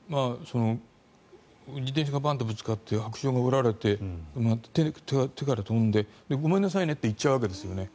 自転車がバンとぶつかって白杖が折られて手から飛んでごめんなさいねと行っちゃうわけですね。